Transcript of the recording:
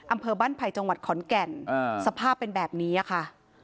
อำเภอบ้านไผ่จังหวัดขอนแก่นสภาพเป็นแบบนี้ค่ะ